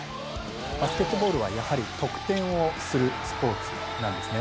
バスケットボールはやはり得点をするスポーツなんですね。